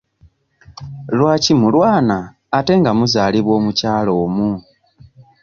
Lwaki mulwana ate nga muzaalibwa omukyala omu?